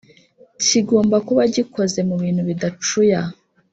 kigomba kuba gikoze mubintu bidacuya